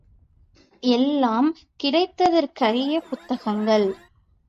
எல்லாம் கிடைத்தற்கரிய புத்தகங்கள்.